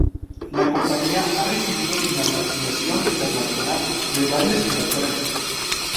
La compañía ha recibido financiación internacional de varios inversores.